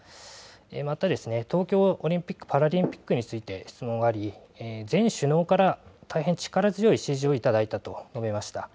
また東京オリンピック・パラリンピックについて質問があり全首脳から大変力強い支持をいただいたと述べました。